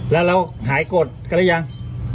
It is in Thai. แล้วเราหายกดก็ได้ยัง